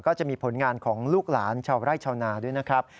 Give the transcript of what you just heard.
ก็จะมีผลงานของลูกหลานชาวไร่ชาวนาด้วยนะครับ